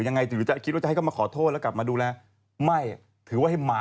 นี่ลูกของตัวเองลายของตัวเอง